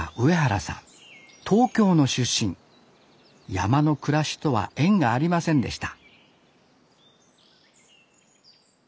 山の暮らしとは縁がありませんでした